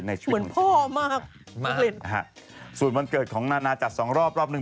ในชีวิตของเจน